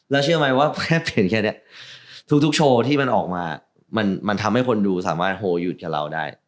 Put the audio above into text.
แล้วเชื่อไหมว่าแค่เปลี่ยนแค่นี้ทุกโชว์ที่มันออกมามันทำให้คนดูสามารถโหหยุดกับเราได้